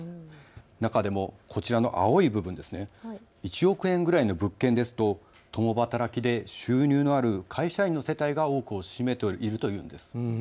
中でもこちらの青い部分、１億円ぐらいの物件ですと共働きで収入のある会社員の世帯が多くを占めているというんです。